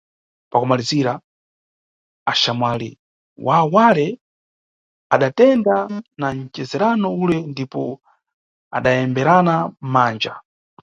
Pakumalizira, axamwali wawo wale adatenda na nʼcezerano ule ndipo adayembera mʼmanja.